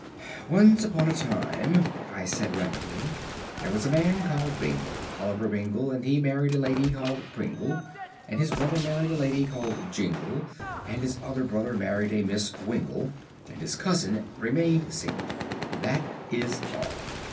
"Once upon a time," I said rapidly, "there was a man called Bingle, Oliver Bingle, and he married a lady called Pringle. And his brother married a lady called Jingle; and his other brother married a Miss Wingle. And his cousin remained single.... That is all."